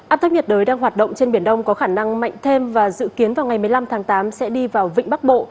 áp thấp nhiệt đới đang hoạt động trên biển đông có khả năng mạnh thêm và dự kiến vào ngày một mươi năm tháng tám sẽ đi vào vịnh bắc bộ